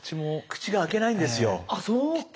口が開けないんですよ。